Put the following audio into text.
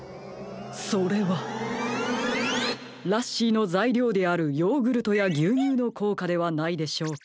それはラッシーのざいりょうであるヨーグルトやぎゅうにゅうのこうかではないでしょうか？